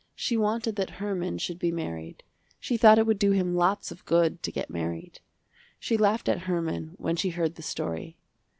She wanted that Herman should be married. She thought it would do him lots of good to get married. She laughed at Herman when she heard the story.